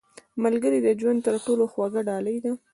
• ملګری د ژوند تر ټولو خوږه ډالۍ ده.